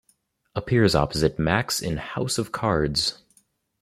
Appears opposite Max in "House of Cards".